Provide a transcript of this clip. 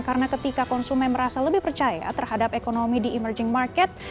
karena ketika konsumen merasa lebih percaya terhadap ekonomi di emerging market